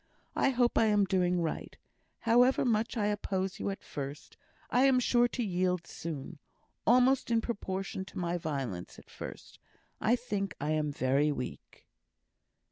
I hope I am doing right. However much I oppose you at first, I am sure to yield soon; almost in proportion to my violence at first. I think I am very weak."